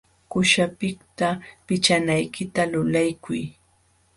Quśhapiqta pichanaykita lulaykuy.